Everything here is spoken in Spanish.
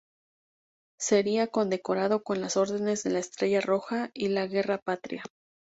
Sería condecorado con las órdenes de la Estrella Roja y la Guerra Patria.